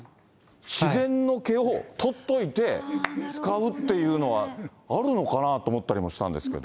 自然の毛を取っといて使うっていうのは、あるのかなと思ったりもしたんですけど。